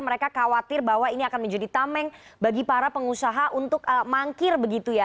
mereka khawatir bahwa ini akan menjadi tameng bagi para pengusaha untuk mangkir begitu ya